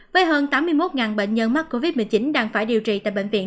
với hơn tám mươi một bệnh nhân mắc covid một mươi chín đang phải điều trị tại bệnh viện